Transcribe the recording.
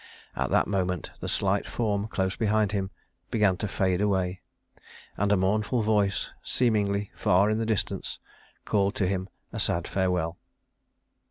At that moment the slight form close behind him began to fade away, and a mournful voice seemingly far in the distance called to him a sad farewell.